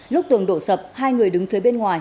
lúc tường đổ sập hai người đứng phía bên ngoài